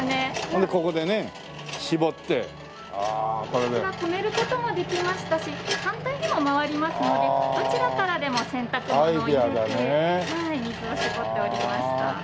こちら止める事もできましたし反対にも回りますのでどちらからでも洗濯物を入れて水を絞っておりました。